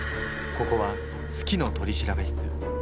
ここは「好きの取調室」。